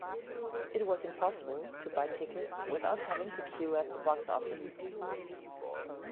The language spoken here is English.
It was impossible to buy tickets without having to queue at the box office